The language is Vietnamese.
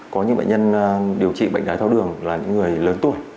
có những bệnh nhân điều trị bệnh đáy thao đường là những người lớn tuổi